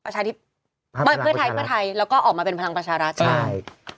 ใช่พลัคพลังประชารัฐใช่